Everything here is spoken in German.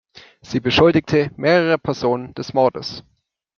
Sie beschuldigte mehrere Personen des Mordes.